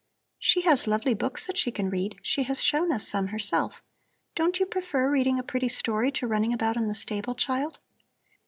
"She has lovely books that she can read; she has shown us some herself. Don't you prefer reading a pretty story to running about in the stable, child?"